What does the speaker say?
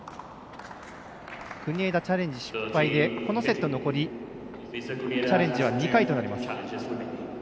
国枝、チャレンジ失敗でこのセット、残りチャレンジは２回となります。